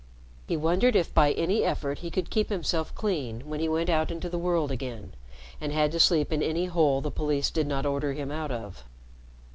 He wondered if by any effort he could keep himself clean when he went out into the world again and had to sleep in any hole the police did not order him out of.